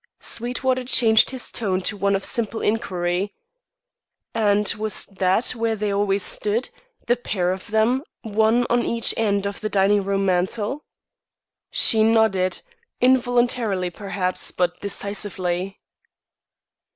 Sweetwater changed his tone to one of simple inquiry. "And was that where they always stood, the pair of them, one on each end of the dining room mantel?" She nodded; involuntarily, perhaps, but decisively.